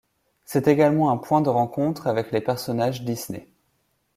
C'est également un point de rencontre avec les personnages Disney.